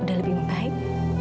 udah lebih baik